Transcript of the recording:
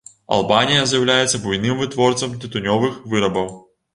Албанія з'яўляецца буйным вытворцам тытунёвых вырабаў.